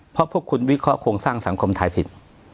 เพราะพวกคุณวิเคราะหโครงสร้างสังคมไทยผิด